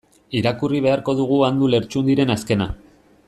Irakurri beharko dugu Andu Lertxundiren azkena.